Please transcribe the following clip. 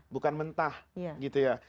bukan mentah gitu ya